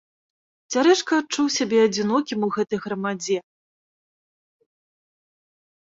Цярэшка адчуў сябе адзінокім у гэтай грамадзе.